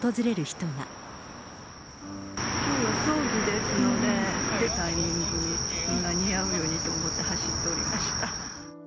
きょうは葬儀ですので、タイミングに間に合うようにと思って走っておりました。